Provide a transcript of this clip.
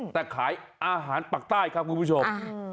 แต่ขายอาหารปากใต้ครับคุณผู้ชม